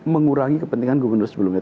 mengurangi kepentingan gubernur sebelumnya